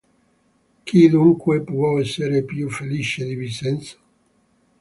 Chi dunque può essere più felice di Vincenzo?